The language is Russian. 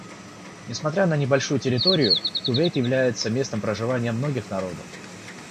Несмотря на небольшую территорию, Кувейт является местом проживания многих народов.